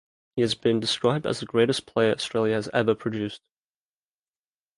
He has been described as the greatest player Australia has ever produced.